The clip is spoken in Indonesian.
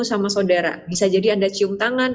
sama saudara bisa jadi anda cium tangan